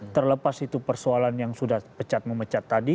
terlepas itu persoalan yang sudah pecat memecat tadi